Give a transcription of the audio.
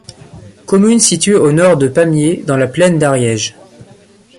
Commune située au nord de Pamiers, dans la plaine d'Ariège.